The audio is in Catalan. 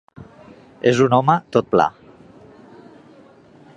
És un home tot pla.